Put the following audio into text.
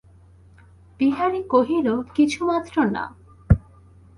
বিহারী কহিল, কিছুমাত্র না।